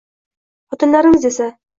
xotinlarimiz esa …”